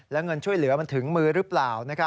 แล้วเงินช่วยเหลือมันถึงมือหรือเปล่า